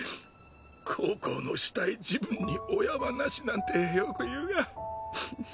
孝行のしたい時分に親はなしなんてよく言うがうぅ